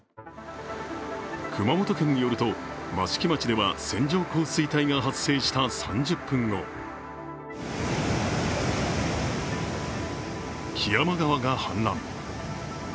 熊本県によると、益城町では線状降水帯が発生した３０分後木山川が氾濫。